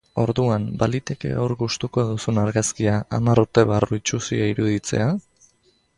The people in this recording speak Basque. Orduan, baliteke gaur gustukoa duzun argazkia hamar urte barru itsusia iruditzea?